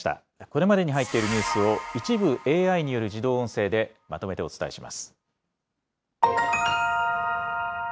これまでに入っているニュースを、一部、ＡＩによる自動音声でまとめてお伝えします。